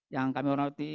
yang kami hormati